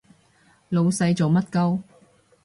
老細做乜 𨳊